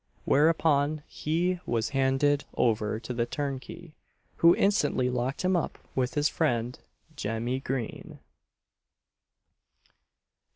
Whereupon he was handed over to the turnkey, who instantly locked him up with his friend Jemmy Green.